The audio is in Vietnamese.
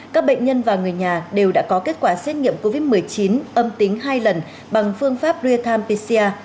các bệnh nhân và người nhà đều đã có kết quả xét nghiệm covid một mươi chín âm tính hai lần bằng phương pháp ria tham pi xia